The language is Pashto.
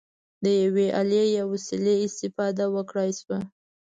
د یوې الې یا وسیلې استفاده وکړای شوه.